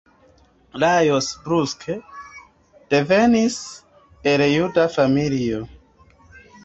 Lajos Bruck devenis el juda familio.